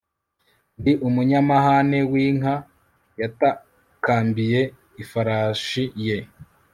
ndi umunyamahane w'inka! yatakambiye ifarashi ye